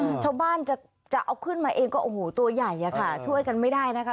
ชาวบ้านจะจะเอาขึ้นมาเองก็โอ้โหตัวใหญ่อ่ะค่ะช่วยกันไม่ได้นะคะ